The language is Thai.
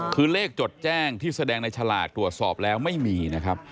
คือเลขจดแจ้งที่แสดงในฉลากตรวจสอบแล้วไม่มีนะครับ